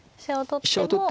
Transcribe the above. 飛車を取っても。